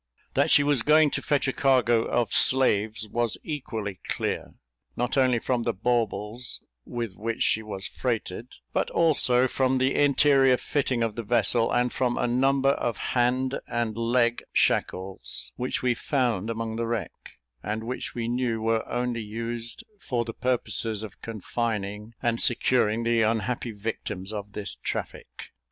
That she was going to fetch a cargo of slaves was equally clear, not only from the baubles with which she was freighted but also from the interior fitting of the vessel, and from a number of hand and leg shackles which we found among the wreck, and which we knew were only used for the purposes of confining and securing the unhappy victims of this traffic.